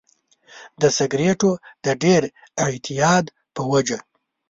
د سیګریټو د ډېر اعتیاد په وجه.